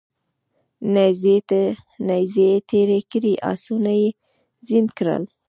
نیزې یې تیرې کړې اسونه یې زین کړل